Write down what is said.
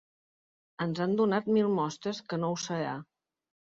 Ens han donat mil mostres que no ho serà.